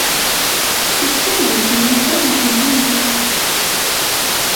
Cukkeɣ d akken Yuba iḥemmel-iyi.